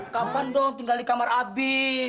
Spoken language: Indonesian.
kapan dong tinggal di kamar abi